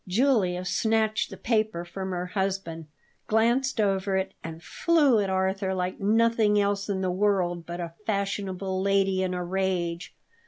Julia snatched the paper from her husband, glanced over it, and flew at Arthur like nothing else in the world but a fashionable lady in a rage.